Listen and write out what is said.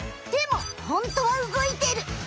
でもホントは動いてる。